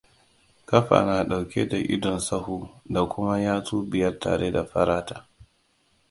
Ƙafa na ɗauke da idon sahu da kuma yatsu biyar tare da farata.